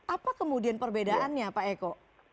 apa kemudian perbedaannya pak eko